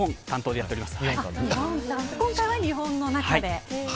今回は日本の中で。